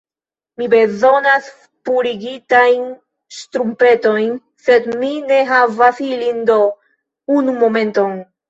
Mi bezonas purigitajn ŝtrumpetojn sed mi ne havas ilin do... unu momenton...